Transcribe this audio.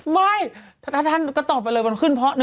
ไม่ถ้าท่านก็ตอบไปเลยมันขึ้นเพราะ๑